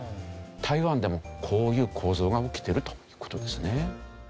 台湾でもこういう行動が起きてるという事ですね。